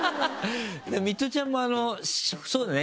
ミトちゃんもそうだね